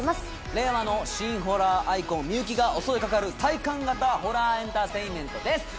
令和の新ホラーアイコン美雪が襲いかかる体感型ホラーエンターテインメントです